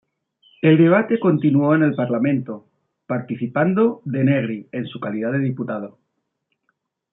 El debate continuó en el parlamento, participando Denegri en su calidad de diputado.